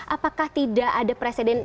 apakah tidak ada presiden